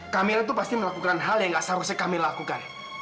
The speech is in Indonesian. kamilla tuh pasti melakukan hal yang nggak seharusnya camilla lakukan